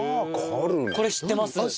これ知ってます。